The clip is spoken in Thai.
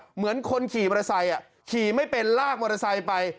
เหมือนคนขี่มอเทศัยขี่ไม่เป็นลากมอเทศัยไป